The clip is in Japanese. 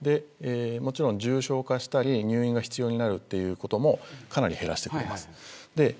重症化したり入院が必要になることもかなり減らしてくれます。